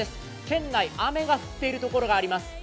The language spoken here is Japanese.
県内、雨が降っている所があります